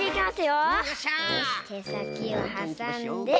よしけさきをはさんで。